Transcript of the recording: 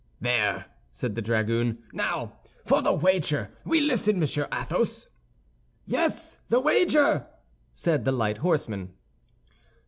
"There!" said the dragoon. "Now for the wager! We listen, Monsieur Athos." "Yes, the wager!" said the light horseman.